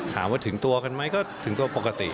ถามว่าถึงตัวกันไหมก็ถึงตัวปกติ